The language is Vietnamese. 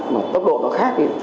mà tốc độ nó khác